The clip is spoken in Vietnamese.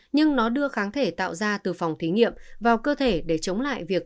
nhưng nó đưa kháng thể tạo ra từ phòng thí nghiệm vào cơ thể để chống lại việc